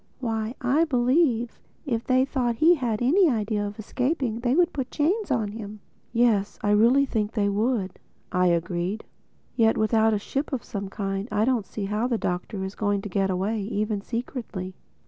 Why, I believe if they thought he had any idea of escaping they would put chains on him." "Yes, I really think they would," I agreed. "Yet without a ship of some kind I don't see how the Doctor is going to get away, even secretly."